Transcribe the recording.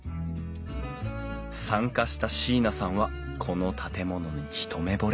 参加した椎名さんはこの建物に一目ぼれ。